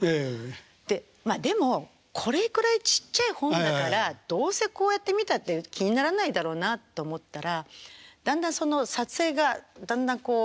でまあでもこれくらいちっちゃい本だからどうせこうやって見たって気にならないだろうなと思ったらだんだんその撮影がだんだんこう